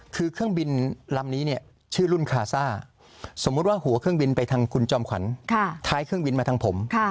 คือเครื่องบินลำนี้เนี่ยชื่อรุ่นคาซ่าสมมุติว่าหัวเครื่องบินไปทางคุณจอมขวัญท้ายเครื่องบินมาทางผม